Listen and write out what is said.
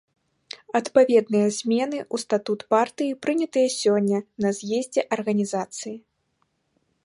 Адпаведныя змены ў статут партыі прынятыя сёння на з'ездзе арганізацыі.